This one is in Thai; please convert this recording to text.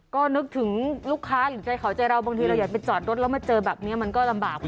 ก็นึกถึงลูกค้าหรือใจเขาใจเราบางทีเราอยากไปจอดรถแล้วมาเจอแบบนี้มันก็ลำบาก